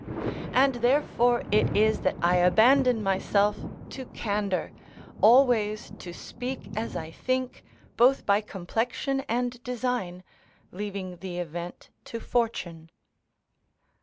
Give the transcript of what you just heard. And therefore it is that I abandon myself to candour, always to speak as I think, both by complexion and design, leaving the event to fortune.